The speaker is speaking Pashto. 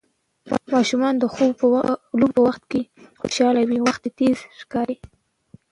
ماشومان د لوبو په وخت خوشحاله وي، وخت تېز ښکاري.